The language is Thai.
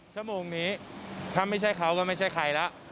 ชั่วโมงนี้ถ้าไม่ใช่เขาก็ไม่ใช่ใครแล้ว